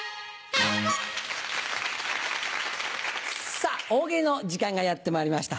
さぁ「大喜利」の時間がやってまいりました。